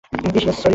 Yes, sorry!